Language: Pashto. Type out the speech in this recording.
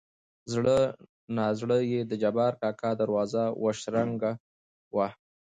زړه نازړه يې د جبار کاکا دروازه وشرنګه وه.